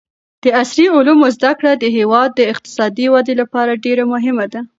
د عصري علومو زده کړه د هېواد د اقتصادي ودې لپاره ډېره مهمه ده.